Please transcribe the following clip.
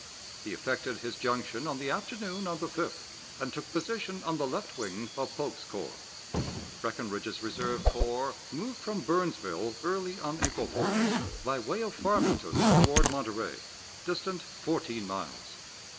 He effected his junction on the afternoon of the 5th, and took position on the left wing of Polk's corps. Breckinridge's reserve corps moved from Burnsville early on April 4th, by way of Farmington toward Monterey, distant fourteen miles.